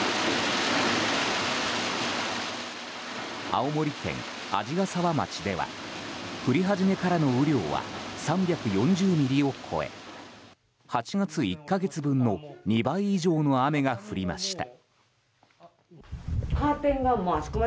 青森県鰺ヶ沢町では降り始めからの雨量は３４０ミリを超え８月１か月分の２倍以上の雨が降りました。